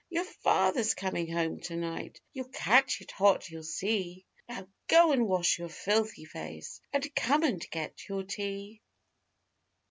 Your father's coming home to night; You'll catch it hot, you'll see. Now go and wash your filthy face And come and get your tea.